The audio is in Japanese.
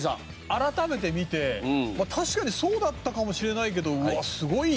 改めて見て確かにそうだったかもしれないけどうわっすごいな。